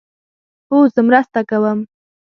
هو، زه مرسته کوم